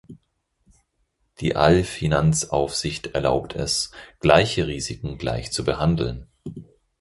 Die Allfinanzaufsicht erlaubt es, gleiche Risiken gleich zu behandeln.